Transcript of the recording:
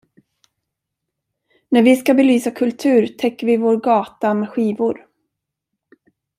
När vi ska belysa kultur täcker vi vår gata med skivor.